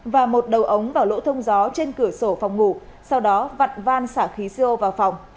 và một đầu ống vào lỗ thông gió trên cửa sổ phòng ngủ sau đó vặn van xả khí co vào phòng